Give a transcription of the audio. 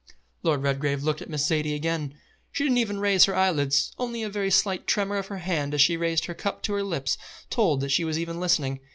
Lord Redgrave looked at Miss Zaidie again. She didn't even raise her eyelids, only a very slight tremor of her hand as she raised her cup to her lips told that she was even listening.